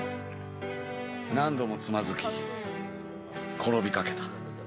何度もつまずき、転びかけた。